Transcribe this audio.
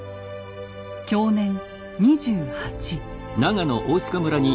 享年２８。